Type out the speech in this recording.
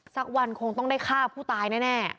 สักวันคงต้องได้ฆ่าผู้ตายแน่